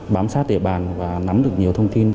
bám sát địa bàn và nắm được nhiều thông tin